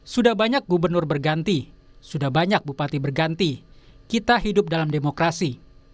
sudah banyak gubernur berganti sudah banyak bupati berganti kita hidup dalam demokrasi